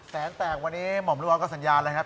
แสนแตกวันนี้หมอมรึงเอาสัญญาเลยครับ